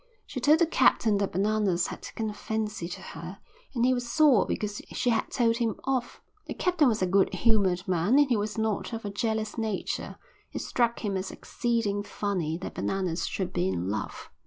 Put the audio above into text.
She told the captain that Bananas had taken a fancy to her and he was sore because she had told him off. The captain was a good humoured man and he was not of a jealous nature; it struck him as exceeding funny that Bananas should be in love.